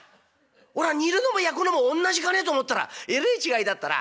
俺は『煮る』のも焼くのもおんなじかねと思ったらえれえ違いだったな。